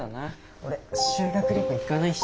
俺修学旅行行かないし。